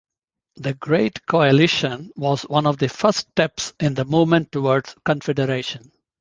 The Great Coalition was one of the first steps in the movement towards Confederation.